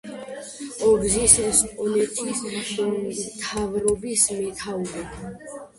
ორგზის ესტონეთის მთავრობის მეთაური.